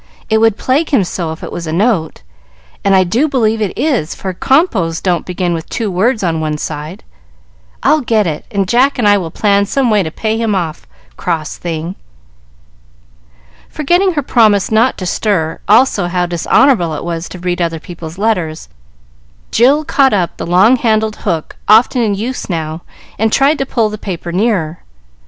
It would plague him so if it was a note, and I do believe it is, for compo's don't begin with two words on one side. I'll get it, and Jack and I will plan some way to pay him off, cross thing!" Forgetting her promise not to stir, also how dishonorable it was to read other people's letters, Jill caught up the long handled hook, often in use now, and tried to pull the paper nearer.